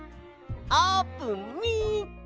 あーぷんみっけ！